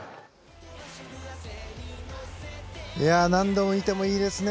何度見てもいいですね。